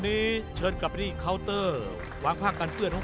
เอ่อที่จริงครั้งนี้ที่ได้มาสตาร์เชฟ